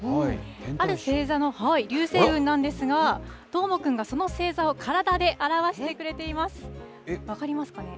ある星座の流星群なんですが、どーもくんがその星座を体で表してくれています。